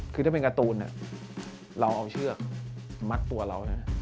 คือถ้าเป็นการ์ตูนเราเอาเชือกมัดตัวเรานะ